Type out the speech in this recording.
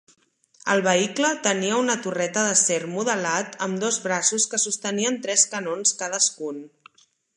El vehicle tenia una torreta d'acer modelat amb dos braços que sostenien tres canons cadascun.